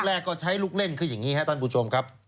แรกก็ใช้ลูกเล่นคืออย่างนี้ครับท่านผู้ชมครับ